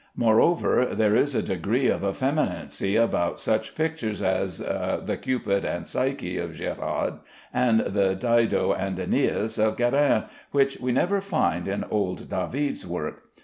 Moreover, there is a degree of effeminacy about such pictures as the "Cupid and Psyche" of Gérard, and the "Dido and Æneas" of Guérin which we never find in old David's work.